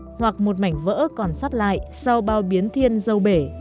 nhưng cũng có thể chỉ là một mảnh ghép hoặc một mảnh vỡ còn sắt lại sau bao biến thiên dâu bể